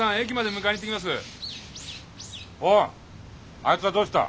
あいつはどうした？